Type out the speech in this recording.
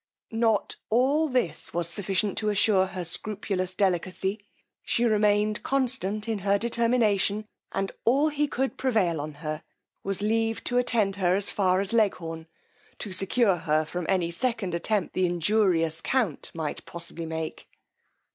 Not all this was sufficient to assure her scrupulous delicacy: she remained constant in her determination; and all he could prevail on her, was leave to attend her as far as Leghorn, to secure her from any second attempt the injurious count might possibly make.